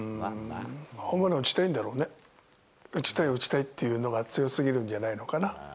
ホームラン打ちたいんだろうね、打ちたい、打ちたいというのが強すぎるんじゃないのかな。